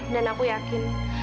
dan aku yakin